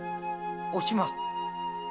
・おしま。